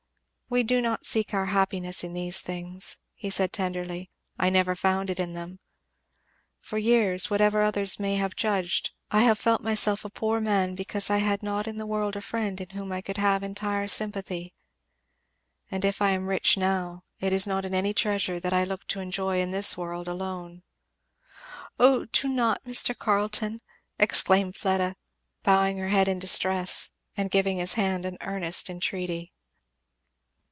"We do not seek our happiness in these things," he said tenderly. "I never found it in them. For years, whatever others may have judged, I have felt myself a poor man; because I had not in the world a friend in whom I could have entire sympathy. And if I am rich now, it is not in any treasure that I look to enjoy in this world alone." "Oh do not, Mr. Carleton!" exclaimed Fleda, bowing her head in distress, and giving his hand an earnest entreaty.